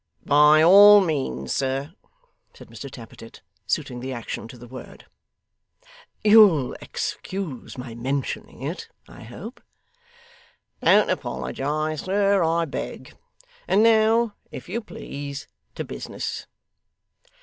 'By all means, sir,' said Mr Tappertit, suiting the action to the word. 'You'll excuse my mentioning it, I hope?' 'Don't apologise, sir, I beg. And now, if you please, to business.